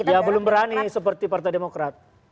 ya belum berani seperti partai demokrat